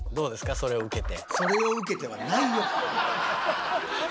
それを受けて。